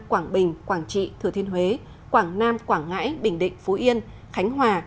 quảng bình quảng trị thừa thiên huế quảng nam quảng ngãi bình định phú yên khánh hòa